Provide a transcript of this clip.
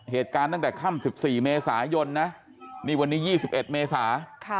เหตุการณ์ตั้งแต่ค่ำ๑๔เมษายนนะนี่วันนี้๒๑เมษา